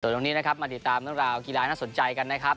ตรงนี้นะครับมาติดตามเรื่องราวกีฬาน่าสนใจกันนะครับ